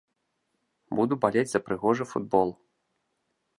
Буду балець за прыгожы футбол.